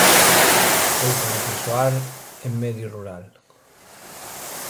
Ou para persoal en medio rural.